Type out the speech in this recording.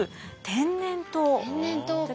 天然痘か。